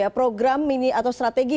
program atau strategi